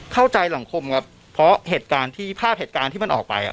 สังคมครับเพราะเหตุการณ์ที่ภาพเหตุการณ์ที่มันออกไปอ่ะ